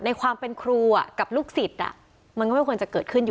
ในความเป็นครูกับลูกศิษย์มันก็ไม่ควรจะเกิดขึ้นอยู่